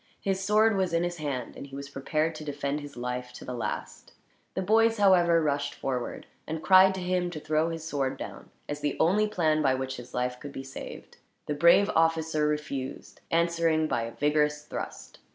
His sword was in his hand, and he was prepared to defend his life to the last. The boys, however, rushed forward; and cried to him to throw his sword down, as the only plan by which his life could be saved. The brave officer refused, answering by a vigorous thrust.